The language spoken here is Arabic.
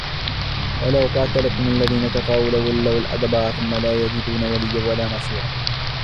ولو قاتلكم الذين كفروا لولوا الأدبار ثم لا يجدون وليا ولا نصيرا